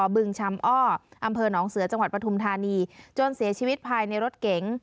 บึงชำอ้ออำเภอหนองเสือจังหวัดปฐุมธานีจนเสียชีวิตภายในรถเก๋ง